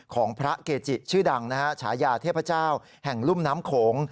ของพระเกจิชื่อดังนะฮะฉายาเทพเจ้าแห่งรุ่มน้ำโขง